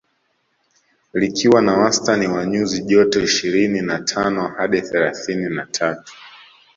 Likiwa na wastani wa nyuzi joto ishirini na tano hadi thelathini na tatu